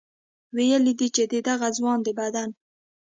ویلي دي چې د دغه ځوان د بدن